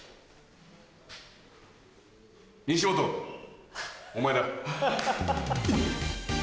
西本お前だ。